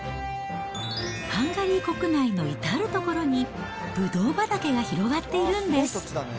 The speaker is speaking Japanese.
ハンガリー国内の至る所にブドウ畑が広がってるんです。